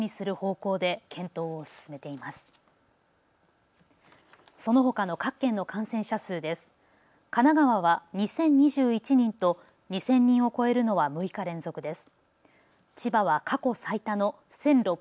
神奈川は２０２１人と２０００人を超えるのは６日連続です。